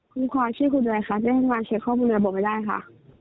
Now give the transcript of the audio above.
คุณคอยชื่อคุณอะไรคะจะให้มันเช็คข้อมูลระบบไว้ได้ค่ะ